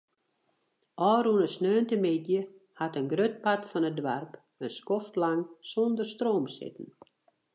Ofrûne sneontemiddei hat in grut part fan it doarp in skoftlang sûnder stroom sitten.